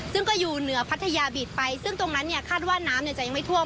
ซึ่งก็อยู่เหนือพัทยาบีดไปซึ่งตรงนั้นเนี่ยคาดว่าน้ำจะยังไม่ท่วม